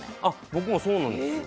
僕もそうなんですよ